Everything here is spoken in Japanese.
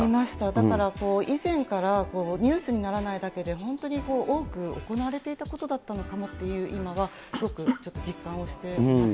だから以前からニュースにならないだけで、本当に多く行われていたことだったのかなって、今はすごくちょっと実感をしています。